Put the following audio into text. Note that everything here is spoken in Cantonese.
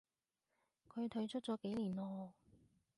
佢退出咗幾年咯